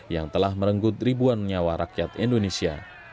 yang telah merenggut ribuan nyawa rakyat indonesia